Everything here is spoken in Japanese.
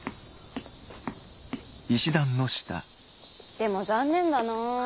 でも残念だなー。